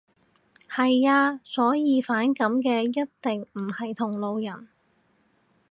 係呀。所以反感嘅一定唔係同路人